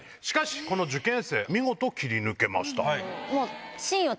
しかしこの受験生見事切り抜けました。